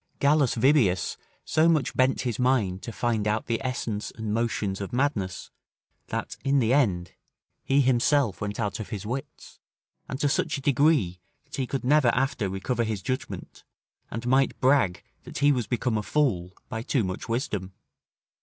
Gallus Vibius so much bent his mind to find out the essence and motions of madness, that, in the end, he himself went out of his wits, and to such a degree, that he could never after recover his judgment, and might brag that he was become a fool by too much wisdom.